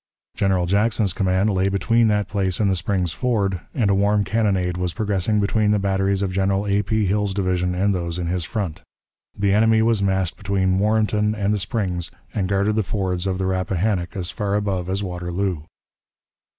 General Jackson's command lay between that place and the Spring's Ford, and a warm cannonade was progressing between the batteries of General A. P. Hill's division and those in his front. The enemy was massed between Warrenton and the Springs, and guarded the fords of the Rappahannock as far above as Waterloo.